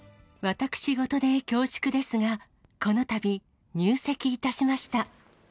私事で恐縮ですが、このたび、入籍いたしました。